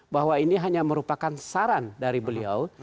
bahwa ini hanya merupakan saran dari beliau